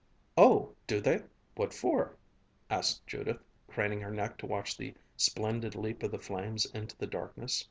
"Oh, do they? What for?" asked Judith, craning her neck to watch the splendid leap of the flames into the darkness.